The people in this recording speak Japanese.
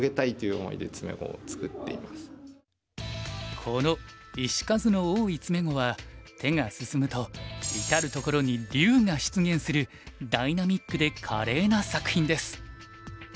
この石数の多い詰碁は手が進むと至る所に龍が出現するダイナミックで華麗な作品です。